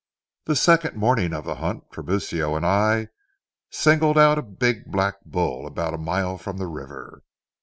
The second morning of the hunt, Tiburcio and I singled out a big black bull about a mile from the river.